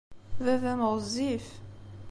Baba-m ɣezzif.